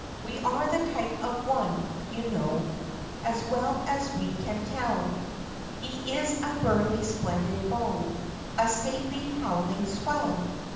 We are the type of one, you know, As well as we can tell, He is a burly splendid beau, A stately howling swell!